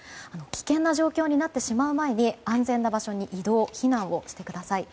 危険な状況になってしまう前に安全な場所に移動・避難してください。